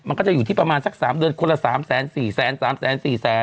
มันก็จะอยู่ที่ประมาณสักสามเดือนคนละสามแสนสี่แสนสามแสนสี่แสน